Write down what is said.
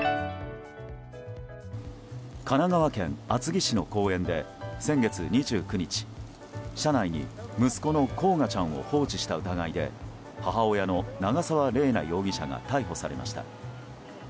神奈川県厚木市の公園で先月２９日車内に息子の煌翔ちゃんを放置した疑いで母親の長澤麗奈容疑者が逮捕されました。